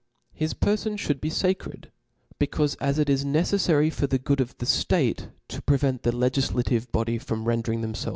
His perfon (hould be facred, becaufe as it is neccflary for the good of the ftate to preventTthe legif lative body from rendering themfelve?